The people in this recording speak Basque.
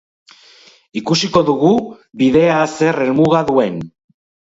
Ikusiko dugu bidea zer helmuga duen.